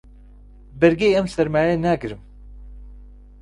بەرگەی ئەم سەرمایە ناگرم.